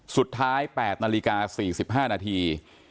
สุดท้าย๘นาฬิกา๔๕นาที